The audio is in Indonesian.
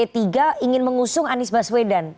dia ingin mengusung anies baswedan